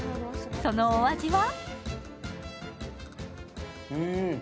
そのお味は？